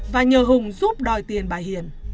và nhờ hùng giúp đòi tiền bà hiền